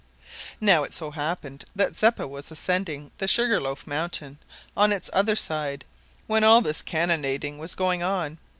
Now, it so happened that Zeppa was ascending the Sugar loaf mountain on its other side, when all this cannonading was going on.